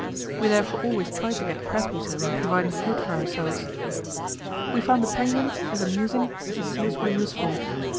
We therefore always tried to get crab eater when providing food for ourselves. We found the penguins as amusing as the seals were useful.